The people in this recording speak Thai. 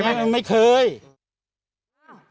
ภาพนี้เป็นหน้า